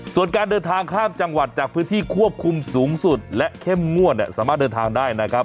ส่วนการเดินทางข้ามจังหวัดจากพื้นที่ควบคุมสูงสุดและเข้มงวดเนี่ยสามารถเดินทางได้นะครับ